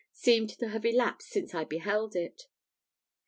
seemed to have elapsed since I beheld it.